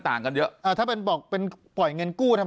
ปากกับภาคภูมิ